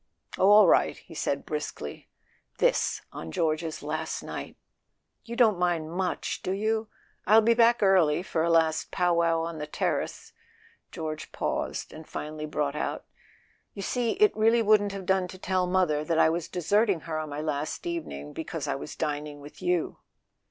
"Oh, all right," he said briskly. This—on George's last night! "You don't mind much f do you? I'll be back early, for a last pow wow on the terrace." George paused, [ 92 ] A SON AT THE FRONT and finally brought out: "You see, it really wouldn't have done to tell mother that I was deserting her on my last evening because I was dining with you!